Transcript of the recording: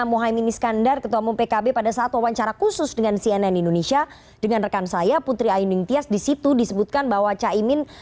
mohaimin iskandar ketua umum pkb pada saat wawancara khusus dengan cnn indonesia dengan rekan saya putri ayu ningtyas disitu disebutkan bahwa caimin